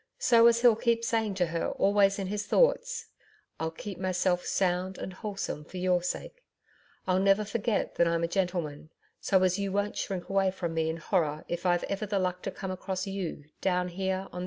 So as he'll keep saying to her always in his thoughts: "I'll keep myself sound and wholesome for your sake. I'll never forget that I'm a gentleman, so as YOU won't shrink away from me in horror if ever I've the luck to come across YOU down here on this Earth."'